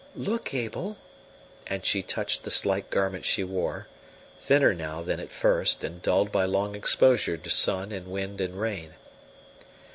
Look, Abel," and she touched the slight garment she wore, thinner now than at first, and dulled by long exposure to sun and wind and rain.